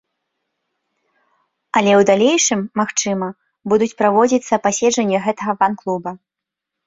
Але ў далейшым, магчыма, будуць праводзіцца паседжанні гэтага фан-клуба.